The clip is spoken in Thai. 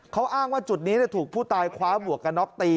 เขาอ้างว่าจุดนี้ถูกผู้ตายคว้าหมวกกระน็อกตี